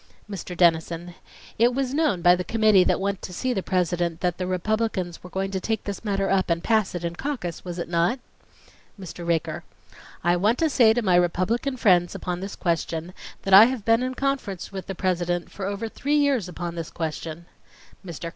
MR. DENNISON : It was known by the committee that went to see the President that the Republicans were going to take this matter up and pass it in caucus, was it not?' MR. RAKER: I want to say to my Republican friends upon this question that I have been in conference with the President for over three years upon this question .... MR.